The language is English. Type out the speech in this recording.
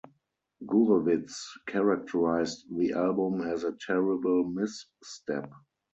Gurewitz characterized the album as a "terrible misstep".